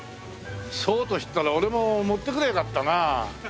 そうと知ったら俺も持ってくればよかったなあ。